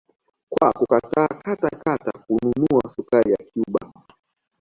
Kwa kukataa kata kata kununua sukari ya Cuba